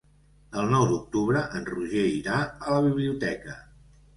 El nou d'octubre en Roger irà a la biblioteca.